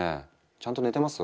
ちゃんと寝てます？